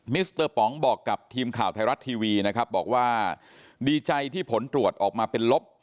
สเตอร์ป๋องบอกกับทีมข่าวไทยรัฐทีวีนะครับบอกว่าดีใจที่ผลตรวจออกมาเป็นลบ